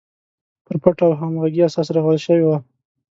پر پټ او همغږي اساس رغول شوې وه.